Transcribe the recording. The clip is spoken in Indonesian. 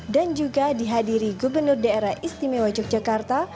juga dihadiri gubernur daerah istimewa yogyakarta